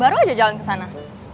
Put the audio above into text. baru aja jalan kesana